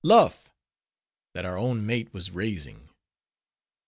Luff!_ that our own mate, was raising.